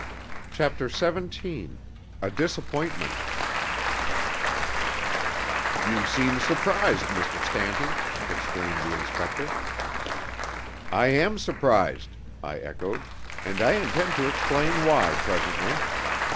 CHAPTER XVII A Disappointment "You seem surprised, Mr. Stanton!" exclaimed the inspector. "I am surprised," I echoed, "and I intend to explain why presently.